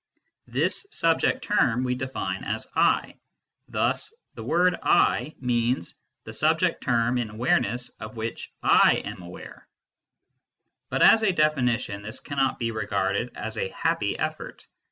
This subject term we define as " I." Thus " I " means " the subject term in awarenesses of which 7 am aware." But as a definition this cannot be regarded as a happy effort.